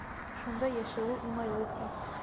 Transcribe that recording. Шунда йәшәүе уңайлы, ти.